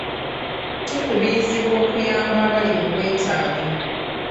Tukubirizibwa okuyamba abali mu bwetaavu.